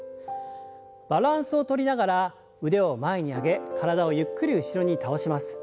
バランスをとりながら腕を前に上げ体をゆっくり後ろに倒します。